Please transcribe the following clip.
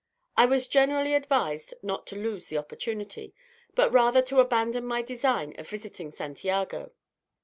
I was generally advised not to lose the opportunity, but rather to abandon my design of visiting Santiago.